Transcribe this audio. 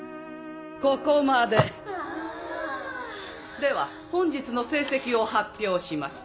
では本日の成績を発表します。